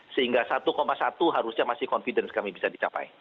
sehingga satu satu harusnya masih confidence kami bisa dicapai